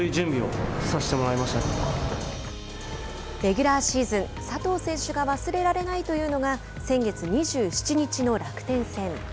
レギュラーシーズン佐藤選手が忘れられないというのが先月２７日の楽天戦。